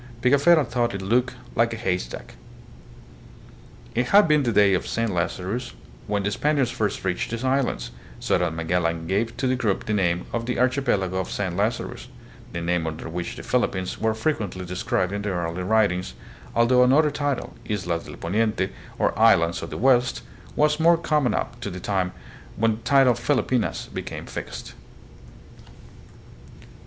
Pigafetta thought it looked " like a haystack." It had been the day of Saint Lazarus when the Spaniards first reached these islands, so that Magellan gave to the group the name of the Archipelago of Saint Lazarus, the name under which the Philippines were frequently described in the early writings, although another title, Islas del Poniente or Islands of the West, was more common up to the time when the title Filipinas became fixed.